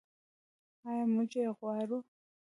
آیا موږ یې غواړو؟